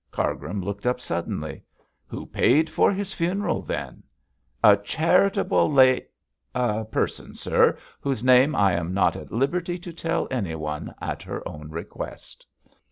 Cargrim looked up suddenly. 'Who paid for his funeral then?' 'A charitable la person, sir, whose name I am not at liberty to tell anyone, at her own request.'